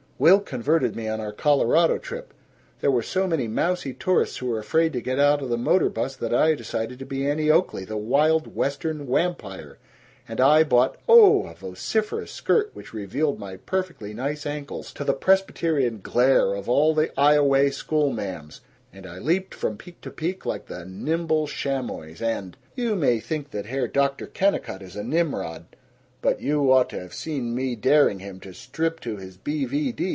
Will converted me on our Colorado trip. There were so many mousey tourists who were afraid to get out of the motor 'bus that I decided to be Annie Oakley, the Wild Western Wampire, and I bought oh! a vociferous skirt which revealed my perfectly nice ankles to the Presbyterian glare of all the Ioway schoolma'ams, and I leaped from peak to peak like the nimble chamoys, and You may think that Herr Doctor Kennicott is a Nimrod, but you ought to have seen me daring him to strip to his B. V. D.'